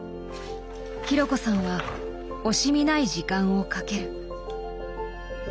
紘子さんは惜しみない時間をかける。